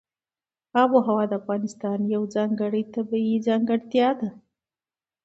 آب وهوا د افغانستان یوه ځانګړې طبیعي ځانګړتیا ده.